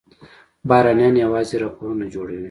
بهرنیان یوازې راپورونه جوړوي.